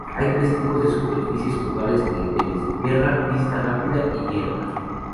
Hay tres tipos de superficies jugables en el tenis: Tierra, pista rápida y hierba.